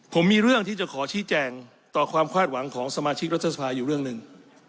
ผมมีเรื่องที่จะขอชี้แจงต่อความคาดหวังของสมาชิกรัฐสภาอยู่เรื่องหนึ่ง